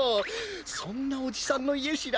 そんなおじさんのいえしらない？